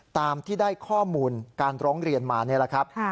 ตามที่ได้ข้อมูลการร้องเรียนมานี่แหละครับ